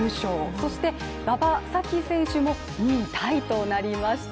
そして馬場咲希選手も２位タイとなりました。